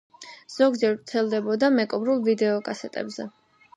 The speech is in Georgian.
ზოგჯერ ვრცელდებოდა „მეკობრულ“ ვიდეოკასეტებზე.